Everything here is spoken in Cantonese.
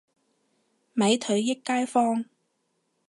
美腿益街坊